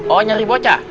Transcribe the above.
oh nyari bocah